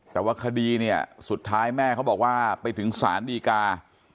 แต่ว่าคดีเนี่ยสุดท้ายแม่เขาบอกว่าไปถึงศาลดีกา